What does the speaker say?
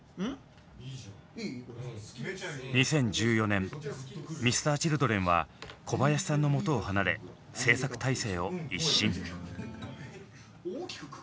２０１４年Ｍｒ．Ｃｈｉｌｄｒｅｎは小林さんの元を離れ制作体制を一新。